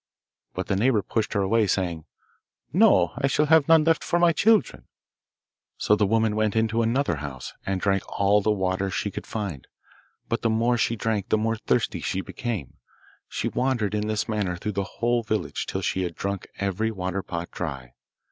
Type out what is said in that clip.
But the neighbour pushed her away, saying, 'No, I shall have none left for my children.' So the woman went into another house, and drank all the water she could find; but the more she drank the more thirsty she became. She wandered in this manner through the whole village till she had drunk every water pot dry.